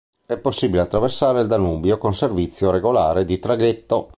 È possibile attraversare il Danubio con servizio regolare di traghetto.